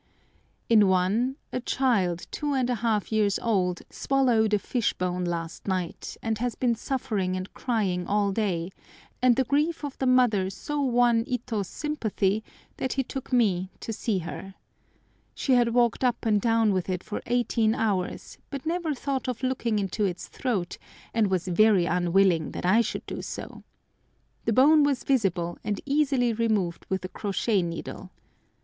In one a child two and a half years old swallowed a fish bone last night, and has been suffering and crying all day, and the grief of the mother so won Ito's sympathy that he took me to see her. She had walked up and down with it for eighteen hours, but never thought of looking into its throat, and was very unwilling that I should do so. The bone was visible, and easily removed with a crochet needle.